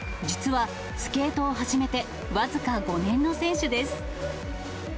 実は、スケートを始めて僅か５年の選手です。